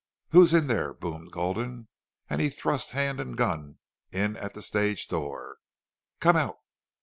"Who's in there?" boomed Gulden, and he thrust hand and gun in at the stage door. "Come out!"